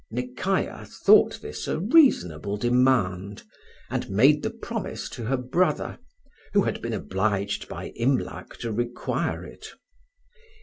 Nekayah thought this a reasonable demand, and made the promise to her brother, who had been obliged by Imlac to require it.